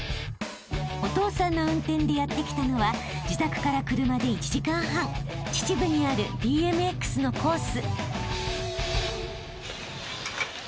［お父さんの運転でやって来たのは自宅から車で１時間半秩父にあるＢＭＸのコース］